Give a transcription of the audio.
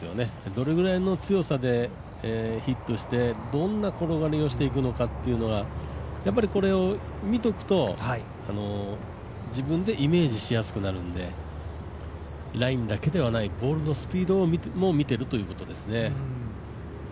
どれくらいの強さでヒットして、どんな転がりをしていくかというのは、これを見ておくと自分でイメージしやすくなるんでラインだけではないボールのスピードも見てるということですね。